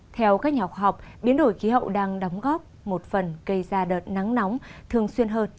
theo các nhà khoa học biến đổi khí hậu đang đóng góp một phần gây ra đợt nắng nóng thường xuyên hơn